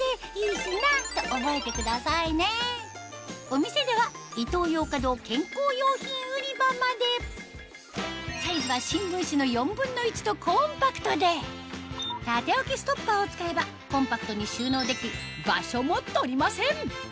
お店ではサイズは新聞紙の４分の１とコンパクトで縦置きストッパーを使えばコンパクトに収納でき場所も取りません